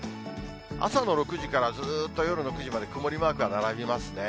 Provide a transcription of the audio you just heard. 朝の６時からずーっと夜の９時まで曇りマークが並びますね。